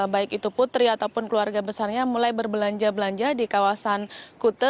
baik itu putri ataupun keluarga besarnya mulai berbelanja belanja di kawasan kute